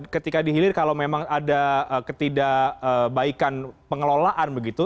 ketika dihilir kalau memang ada ketidakbaikan pengelolaan begitu